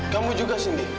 kamu juga cindy